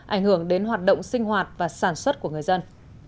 ảnh hưởng đến hoạt động sinh hoạt và sản xuất của người dân